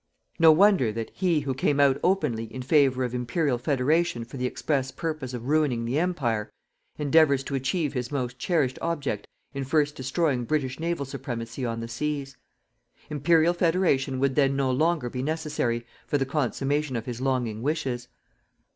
No wonder that he who came out openly in favour of Imperial Federation for the express purpose of ruining the Empire, endeavours to achieve his most cherished object in first destroying British naval supremacy on the seas. Imperial Federation would then no longer be necessary for the consummation of his longing wishes.